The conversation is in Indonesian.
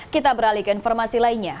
kita beralih ke informasi lainnya